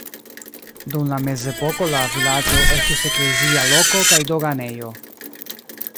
Dum la mezepoko la vilaĝo estis eklezia loko kaj doganejo.